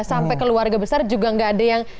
sampai keluarga besar juga nggak ada yang